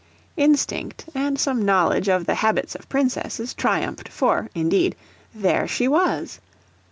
Instinct, and some knowledge of the habits of princesses, triumphed; for (indeed) there She was!